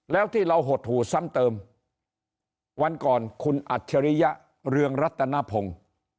แล้วที่เราหดหูซ้ำเติมวันก่อนคุณอัจฉริยะเรืองรัตนพงศ์